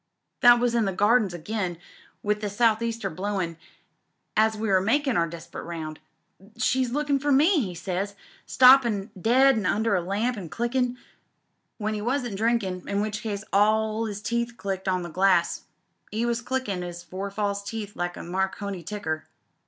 That was in the Gardens a^ain, with the South Easter blowin' as we were makin' our desperate round. 'She's lookin' for me,' he says, stoppin' dead under a lamp an' clickin'. When he wasn't drinkin', in which case all 'b teeth clicked on the glass, 'e was clickin' 'is four false teeth like a Marconi ticker.